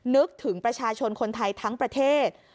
นึกถึงประชาชนคนไทยทั้งประเทศ